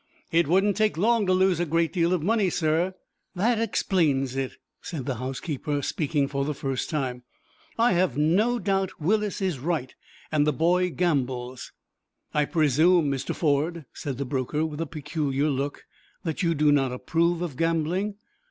"It wouldn't take long to lose a great deal of money, sir." "That explains it," said the housekeeper, speaking for the first time. "I have no doubt Willis is right, and the boy gambles." "I presume, Mr. Ford," said the broker, with a peculiar look, "that you do not approve of gambling?"